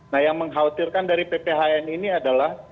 nah yang mengkhawatirkan dari pphn ini adalah